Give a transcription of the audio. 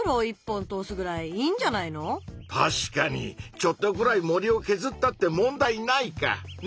確かにちょっとぐらい森をけずったって問題ないか！ね？